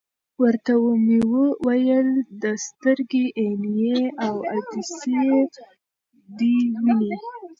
ورته ومي ویل: د سترګي عینیې او عدسیې دي وینې ؟